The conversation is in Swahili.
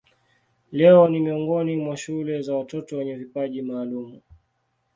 Leo ni miongoni mwa shule za watoto wenye vipaji maalumu.